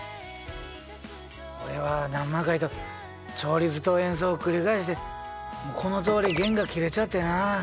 俺は何万回と調律と演奏を繰り返してこのとおり弦が切れちゃってな。